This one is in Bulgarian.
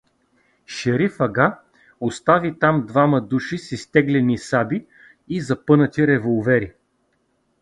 Шериф ага остави там двама души с изтеглени саби и запънати револвери.